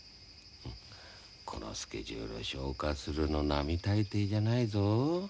このスケジュール消化するの並大抵じゃないぞ。